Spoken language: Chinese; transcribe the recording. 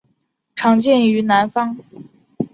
常见于南方。